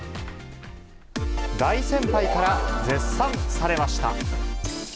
大先輩から絶賛されました。